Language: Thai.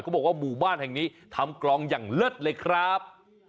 บอกว่าหมู่บ้านแห่งนี้ทำกลองอย่างเลิศเลยครับ